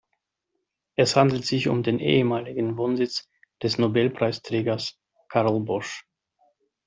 Es handelt sich um den ehemaligen Wohnsitz des Nobelpreisträgers Carl Bosch.